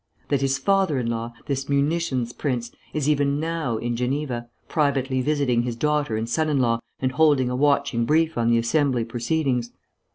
That his father in law, this munitions prince, is even now in Geneva, privately visiting his daughter and son in law and holding a watching brief on the Assembly proceedings?